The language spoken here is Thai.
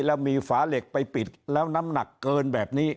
แล้วมีฝาเหล็กไปปิดแล้วน้ำหนักเกินแบบนี้